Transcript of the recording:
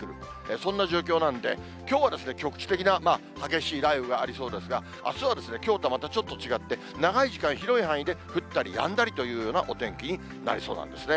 そんな状況なんで、きょうは局地的な激しい雷雨がありそうですが、あすはきょうとはまたちょっと違って、長い時間、広い範囲で降ったりやんだりというようなお天気になりそうなんですね。